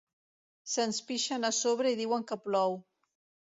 Se'ns pixen a sobre i diuen que plou.